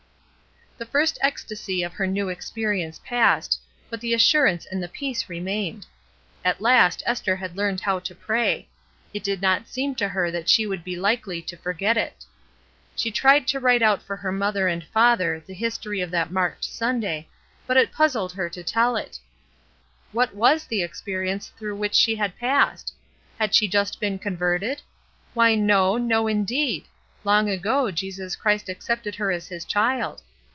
The first ecstasy of her new experience passed, but the assurance and the peace remained. At last Esther had learned how to pray; it did not seem to her that she would be likely to forget it. She tried to write out for her mother and father DISCIPLINE 237 the history of that marked Sunday, but it puz zled her to tell it. What was the experience through which she had passed? Had she just been converted ? Why, no, — no, indeed ! Long ago Jesus Christ accepted her as His child.